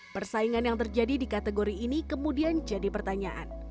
persaingan yang terjadi di kategori ini kemudian jadi pertanyaan